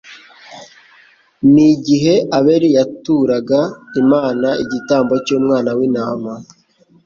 n'igihe Abeli yaturaga Imana igitambo cy'Umwana w'intama